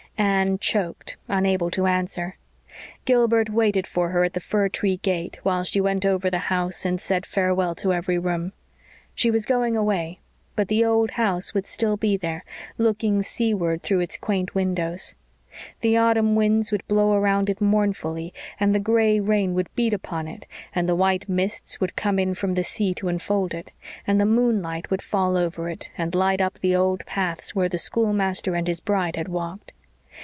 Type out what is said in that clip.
Anne choked, unable to answer. Gilbert waited for her at the fir tree gate, while she went over the house and said farewell to every room. She was going away; but the old house would still be there, looking seaward through its quaint windows. The autumn winds would blow around it mournfully, and the gray rain would beat upon it and the white mists would come in from the sea to enfold it; and the moonlight would fall over it and light up the old paths where the schoolmaster and his bride had walked.